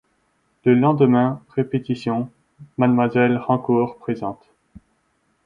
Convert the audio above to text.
Le lendemain, répétition, Mlle Raucourt présente.